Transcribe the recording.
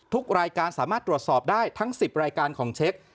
ทุกรายการสามารถตรวจสอบได้ทั้ง๑๐รายการของเช็ค